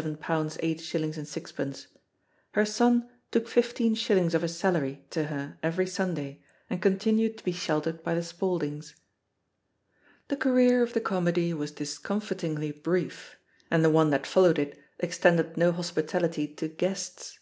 Her son took fifteen shillings THE POSITION OF PEGGY HARPER S of his salary to her every Sunday and continued to be sheltered by the Spauldings, The career of the comedy was discomfitingly brief, and the one that followed it extended no hospitality to "guests."